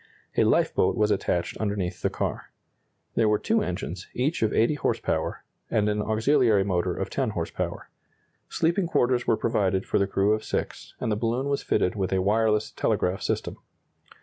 A lifeboat was attached underneath the car. There were two engines, each of 80 horse power, and an auxiliary motor of 10 horse power. Sleeping quarters were provided for the crew of six, and the balloon was fitted with a wireless telegraph system.